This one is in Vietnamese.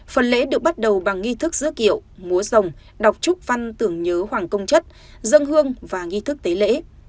phần lễ được bắt đầu bằng nghi thức giữa kiệu múa dòng đọc chúc văn tưởng nhớ hoàng công chất dân hương và nghi thức tế lễ